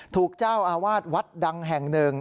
ถูกเจ้าอาวาสวัดดังแห่งหนึ่ง